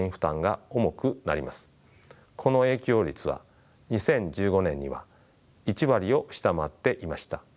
この影響率は２０１５年には１割を下回っていました。